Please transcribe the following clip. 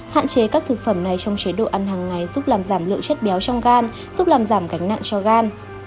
hạn chế các thực phẩm này trong chế độ ăn hàng ngày giúp làm giảm lượng chất béo trong gan giúp làm giảm gánh nặng cho gan